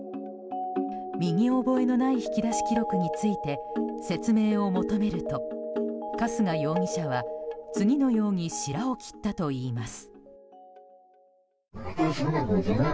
身に覚えのない引き出し記録について説明を求めると、春日容疑者は次のようにしらを切ったといいます。